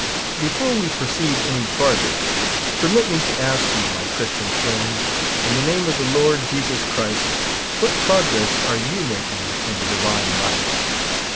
Before we proceed any father, permit me to ask you, my Christian friends, in the name of the Lord Jesus Christ, what progress are you making in the divine life